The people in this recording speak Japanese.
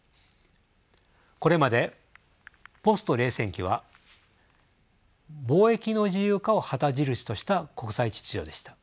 これまでポスト冷戦期は貿易の自由化を旗印とした国際秩序でした。